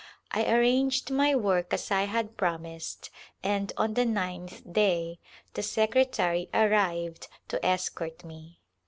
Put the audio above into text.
I arranged my work as I had promised and on the ninth day the secretary arrived to escort me.